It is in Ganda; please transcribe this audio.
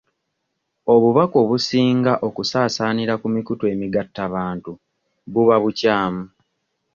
Obubaka obusinga okusaasaanira ku mikutu emigattabantu buba bukyamu.